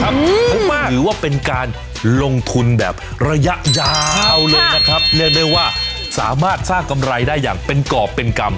เพราะว่าถือว่าเป็นการลงทุนแบบระยะยาวเลยนะครับเรียกได้ว่าสามารถสร้างกำไรได้อย่างเป็นกรอบเป็นกรรม